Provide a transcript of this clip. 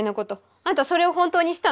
あんたそれを本当にしたの？